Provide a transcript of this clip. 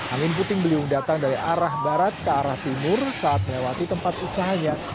angin puting beliung datang dari arah barat ke arah timur saat melewati tempat usahanya